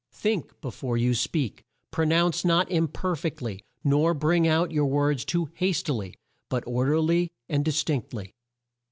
"Think be fore you speak, pro nounce not im per fect ly, nor bring out your words too hast i ly, but or der ly and dis tinct ly.